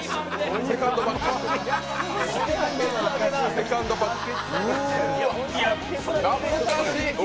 セカンドバッグ。